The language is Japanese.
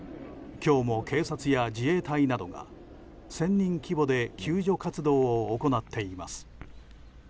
今日も警察や自衛隊などが１０００人規模で救助活動を行っています。